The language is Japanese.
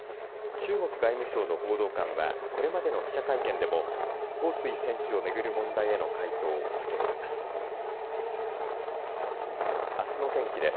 中国外務省の報道官はこれまでの記者会見でも彭帥選手をめぐる問題への回答を避けています。